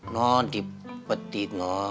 nah di peti nah